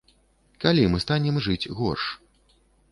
Калі мы станем жыць горш?